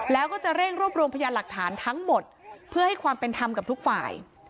แล้วก็จะเร่งรวบรวมพยานหลักฐานทั้งหมดเพื่อให้ความเป็นธรรมกับทุกฝ่าย